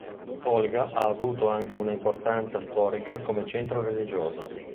Tolga ha avuto anche una importanza storica come centro religioso.